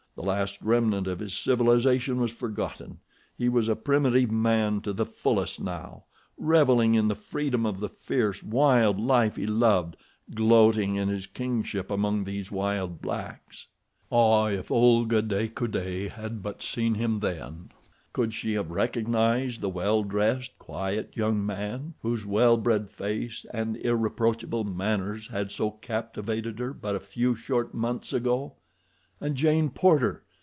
The last remnant of his civilization was forgotten—he was a primitive man to the fullest now; reveling in the freedom of the fierce, wild life he loved, gloating in his kingship among these wild blacks. Ah, if Olga de Coude had but seen him then—could she have recognized the well dressed, quiet young man whose well bred face and irreproachable manners had so captivated her but a few short months ago? And Jane Porter!